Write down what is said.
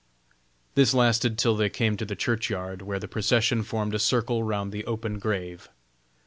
This lasted till they came to the churchyard, where the procession formed a circle round the open grave.